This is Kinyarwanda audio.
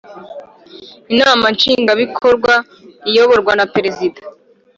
Inama nshingwa bikorwa iyoborwa na Perezida